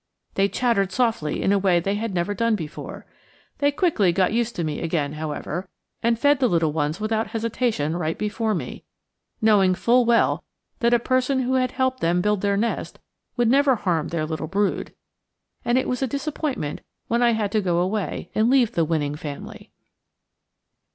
They chattered softly in a way they had never done before. They quickly got used to me again, however, and fed the little ones without hesitation right before me, knowing full well that a person who had helped them build their nest would never harm their little brood; and it was a disappointment when I had to go away and leave the winning family.